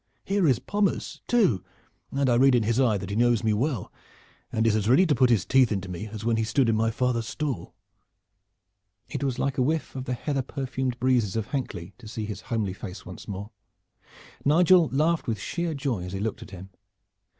Here is Pommers too, and I read in his eye that he knows me well and is as ready to put his teeth into me as when he stood in my father's stall." It was like a whiff of the heather perfumed breezes of Hankley to see his homely face once more. Nigel laughed with sheer joy as he looked at him.